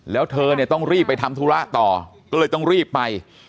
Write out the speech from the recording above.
แล้วเธอเนี่ยต้องรีบไปทำธุระต่อก็เลยต้องรีบไป